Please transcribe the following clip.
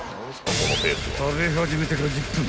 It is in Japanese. ［食べ始めてから１０分］